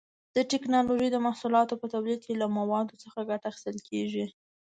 د ټېکنالوجۍ د محصولاتو په تولید کې له موادو څخه ګټه اخیستل کېږي.